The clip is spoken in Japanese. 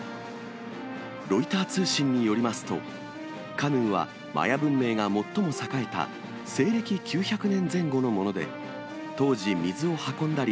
ロイター通信によりますと、カヌーはマヤ文明が最も栄えた西暦９００年前後のもので、当時、水を運んだり、